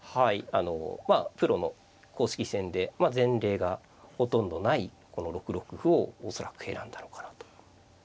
あのプロの公式戦で前例がほとんどないこの６六歩を恐らく選んだのかなと。